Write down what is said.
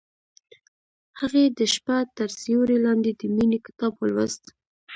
هغې د شپه تر سیوري لاندې د مینې کتاب ولوست.